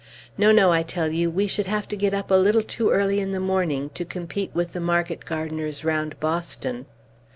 No, no; I tell you, we should have to get up a little too early in the morning, to compete with the market gardeners round Boston."